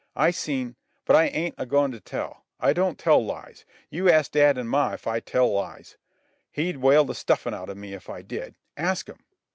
I seen—but I ain't a goin' to tell. I don't tell lies. You ask dad an' ma if I tell lies. He'd whale the stuffin' out of me if I did. Ask 'm."